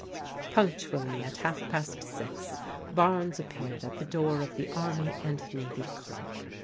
Punctually at half past six, Barnes appeared at the door of the Army and Navy Club.